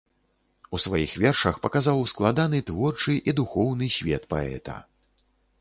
У сваіх вершах паказаў складаны творчы і духоўны свет паэта.